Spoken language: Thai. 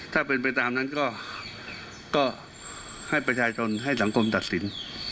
ถ้าเป็นไปตามนั้นก็ให้ประชาชนให้สังคมตัดสิน